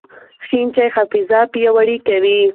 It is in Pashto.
شین چای حافظه پیاوړې کوي.